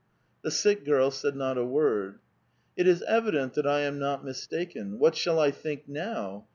The sick girl said not a word. " It is evident that I am not mistaken. What shall I think now?